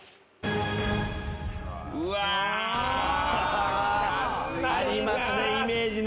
うわ。ありますねイメージね。